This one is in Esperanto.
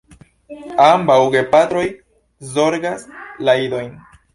Ambaŭ gepatroj zorgas la idojn.